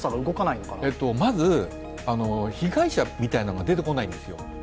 まず、被害者みたいなものが出てこないんですよ。